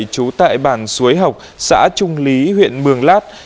trú tại bản xuối học xã trung lý huyện mường lát